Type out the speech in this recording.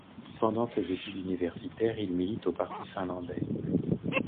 Pendant ses études universitaires il milite au parti finlandais.